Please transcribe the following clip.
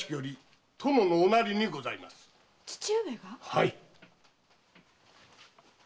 はい。